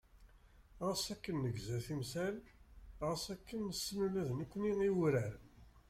Xas akken negza timsal, xas akken nessen ula d nekkni i wurar.